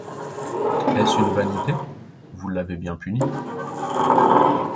Est-ce une vanité? vous l’avez bien punie.